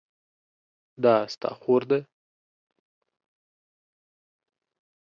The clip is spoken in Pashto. دا ستا خور ده؟